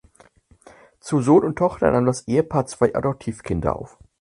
Zu Sohn und Tochter nahm das Ehepaar zwei Adoptivkinder auf.